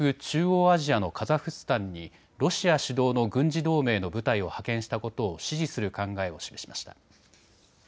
中央アジアのカザフスタンにロシア主導の軍事同盟の部隊を派遣したことを支持する考えを示しました。